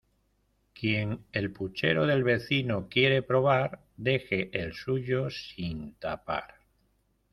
Quien el puchero del vecino quiere probar, deje el suyo sin tapar.